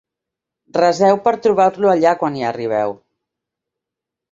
Reseu per trobar-lo allà quan hi arribeu.